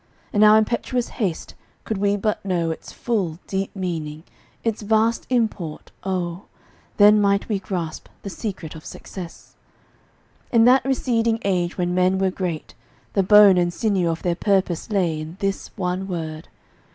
In our impetuous haste, could we but know Its full, deep meaning, its vast import, oh, Then might we grasp the secret of success! In that receding age when men were great, The bone and sinew of their purpose lay In this one word.